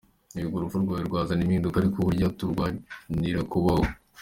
Yego urupfu rwawe rwazana impinduka, ariko burya turwanira kubaho.